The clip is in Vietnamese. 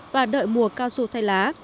và đợi mùa cao su thay lá